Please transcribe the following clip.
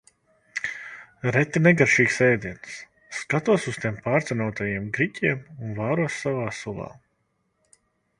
Reti negaršīgs ēdiens. Skatos uz tiem pārcenotajiem griķiem un vāros savā sulā.